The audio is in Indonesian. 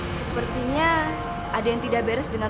sepertinya ada yang tidak beres dengan